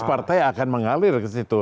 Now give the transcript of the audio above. partai akan mengalir ke situ